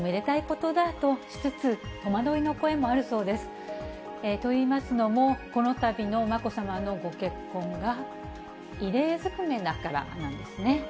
といいますのも、このたびのまこさまのご結婚が、異例ずくめだからなんですね。